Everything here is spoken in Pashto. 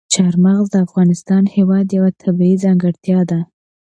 چار مغز د افغانستان هېواد یوه طبیعي ځانګړتیا ده.